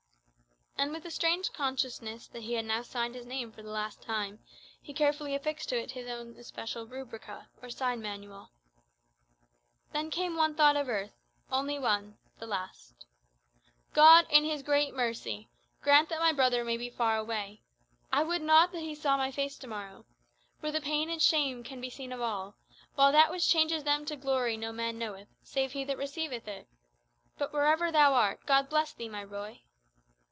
And with a strange consciousness that he had now signed his name for the last time, he carefully affixed to it his own especial "rubrica," or sign manual. Then came one thought of earth only one the last. "God, in his great mercy, grant that my brother may be far away! I would not that he saw my face to morrow. For the pain and the shame can be seen of all; while that which changes them to glory no man knoweth, save he that receiveth it. But, wherever thou art, God bless thee, my Ruy!"